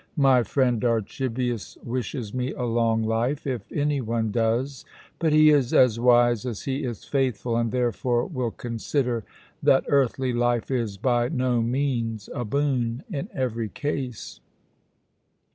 My friend Archibius wishes me a long life, if any one does; but he is as wise as he is faithful, and therefore will consider that earthly life is by no means a boon in every case.